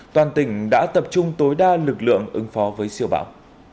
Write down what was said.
toàn tỉnh đã tập trung tối đa lực lượng ứng phó với siêu bão